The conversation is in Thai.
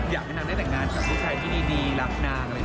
อยากให้นางแต่งงานกับผู้ชายดีรักนางเลยนะ